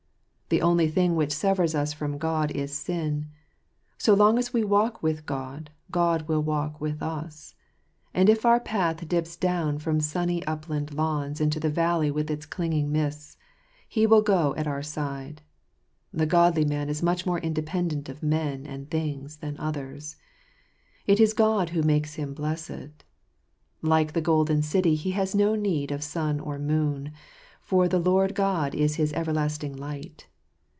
The only thing which severs us from God is sin : so long as we walk with God, God will walk with us; and if our path dips down from the sunny upland lawns into the valley with its clinging mists, He will go at our side. The godly man is much more independent of men and things than others. It is God who makes him blessed. Like the golden city, he has no need of sun or moon, for the Lord God is his everlasting light.